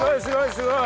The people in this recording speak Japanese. すごい。